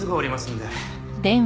で？